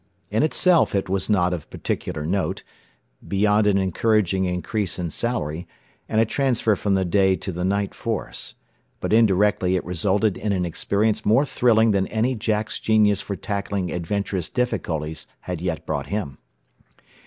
In itself it was not of particular note, beyond an encouraging increase in salary, and a transfer from the day to the night force; but indirectly it resulted in an experience more thrilling than any Jack's genius for tackling adventurous difficulties had yet brought him.